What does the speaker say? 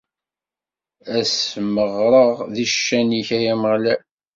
Ad smeɣreɣ di ccan-ik, ay Ameɣlal.